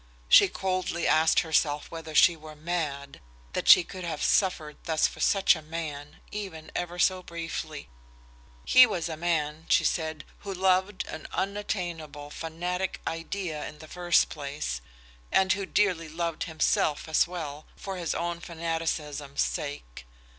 She coldly asked herself whether she were mad, that she could have suffered thus for such a man, even ever so briefly. He was a man, she said, who loved an unattainable, fanatic idea in the first place, and who dearly loved himself as well for his own fanaticism's sake.